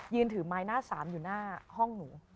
ถือไม้หน้าสามอยู่หน้าห้องหนู